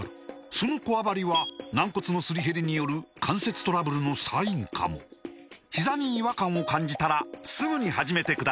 そのこわばりは軟骨のすり減りによる関節トラブルのサインかもひざに違和感を感じたらすぐに始めてください